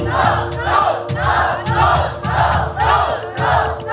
สู้สู้สู้